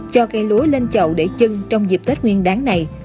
cho cây lúa lên chậu để chân trong dịp tết nguyên đáng này